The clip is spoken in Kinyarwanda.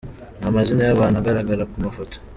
nta mazina y'aba bantu agaragara ku mafoto.